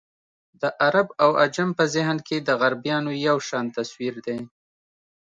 د عرب او عجم په ذهن کې د غربیانو یو شان تصویر دی.